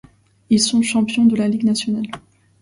Ils sont champions de la Ligue nationale.